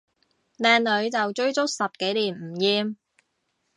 靚女就追足十幾年唔厭